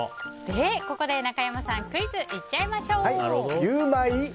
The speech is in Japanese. ここで中山さん、クイズにいっちゃいましょう！